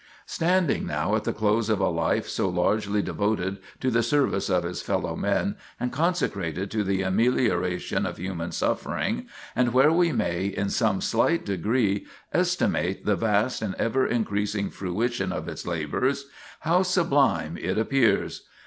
Standing now at the close of a life so largely devoted to the service of his fellow men and consecrated to the amelioration of human suffering, and where we may, in some slight degree, estimate the vast and ever increasing fruition of its labors, how sublime it appears!